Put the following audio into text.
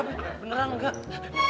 enggak beneran enggak